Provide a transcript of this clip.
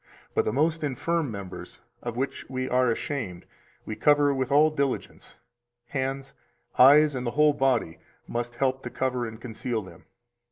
But the most infirm members, of which we are ashamed, we cover with all diligence; hands, eyes, and the whole body must help to cover and conceal them.